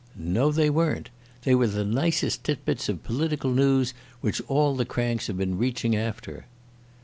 "No, they weren't. They were the nicest tit bits of political noos which all the cranks have been reaching after."